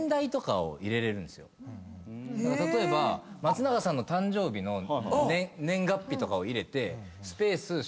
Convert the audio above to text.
例えば松永さんの誕生日の年月日とかを入れてスペース